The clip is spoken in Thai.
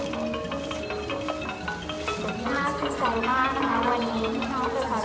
สวัสดีครับข้างหลังครับ